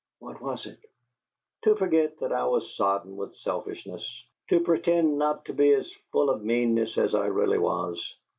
"What was it?" "To forget that I was sodden with selfishness; to pretend not to be as full of meanness as I really was!